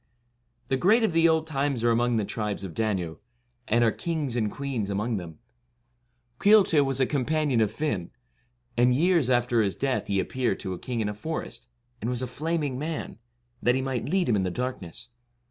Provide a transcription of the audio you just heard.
The great of the old times are among the 68 Tribes of Danu, and are kings and queens among them. Caolte was a companion of Fiann; and years after his death he appeared to a king in a forest, and was a flaming man, that he might lead him in the darkness.